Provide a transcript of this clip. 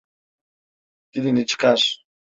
Dilini çıkar.